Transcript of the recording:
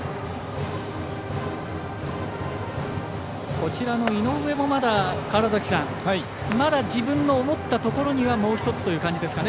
こちらの井上もまだ、自分の思ったところにはもう１つというところですかね